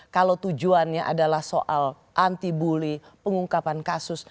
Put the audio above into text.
kalau tujuannya adalah soal antibully pengungkapan kasus